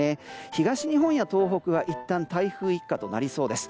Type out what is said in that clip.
東日本や東北はいったん台風一過となりそうです。